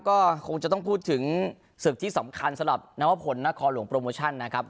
ก็คงจะต้องพูดถึงศึกที่สำคัญสำหรับนวพลนครหลวงโปรโมชั่นนะครับ